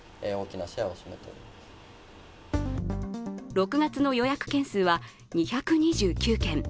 ６月の予約件数は２２９件。